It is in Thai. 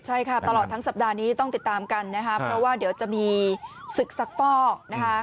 ใช่ค่ะตลอดทั้งสัปดาห์นี้ต้องติดตามกันนะคะเพราะว่าเดี๋ยวจะมีศึกซักฟอกนะคะ